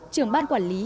trưởng ban quản lý